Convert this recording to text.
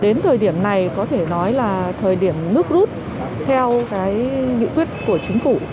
đến thời điểm này có thể nói là thời điểm nước rút theo cái nghị quyết của chính phủ